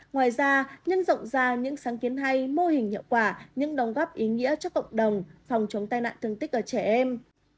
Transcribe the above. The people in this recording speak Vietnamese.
ngoài ra nhân rộng ra những sáng kiến hay mô hình hiệu quả những đồng góp ý nghĩa cho cộng đồng phòng chống tai nạn thương tích ở trẻ em